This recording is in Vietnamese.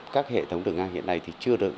các hệ thống đường ngang hiện nay thì chưa được